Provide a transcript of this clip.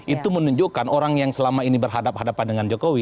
itu menunjukkan orang yang selama ini berhadapan hadapan dengan jokowi